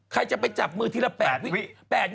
ใครจะไปจับมือทีละ๘วิ